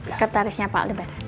skritarisnya pak aldi bareng